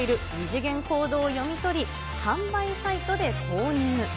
２次元コードを読み取り、販売サイトで購入。